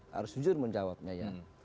harus jujur menjawabnya ya